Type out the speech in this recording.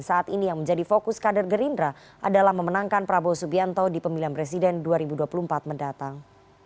saat ini yang menjadi fokus kader gerindra adalah memenangkan prabowo subianto di pemilihan presiden dua ribu dua puluh empat mendatang